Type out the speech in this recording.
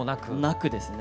なくですね。